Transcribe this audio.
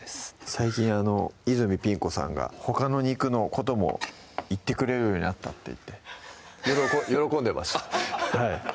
最近あの泉ピン子さんがほかの肉のことも言ってくれるようになったって言って喜んでましたあっ